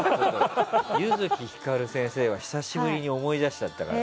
弓月光先生は久しぶりに思い出しちゃったから。